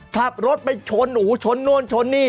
ขับรถไปชนโอ้โหชนโน่นชนนี่